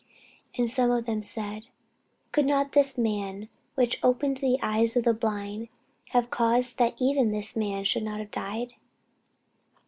And some of them said, Could not this man, which opened the eyes of the blind, have caused that even this man should not have died?